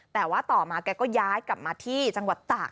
แต่ว่าต่อมาแกก็ย้ายกลับมาที่จังหวัดตาก